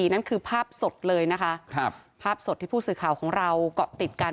นั่นคือภาพสดเลยนะคะครับภาพสดที่ผู้สื่อข่าวของเราเกาะติดกัน